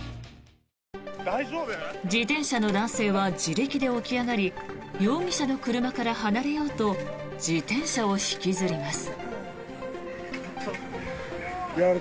自転車の男性は自力で起き上がり容疑者の車から離れようと自転車を引きずります。